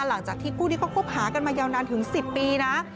หลังจากที่คู่นี้เขาคบหากันมายาวนานถึง๑๐ปีนะ